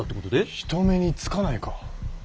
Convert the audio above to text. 人目につかないか？